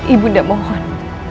ibu bunda mohon